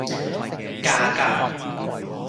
價格